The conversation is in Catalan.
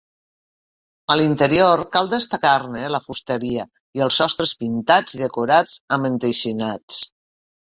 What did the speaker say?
A l'interior cal destacar-ne la fusteria i els sostres pintats i decorats amb enteixinats.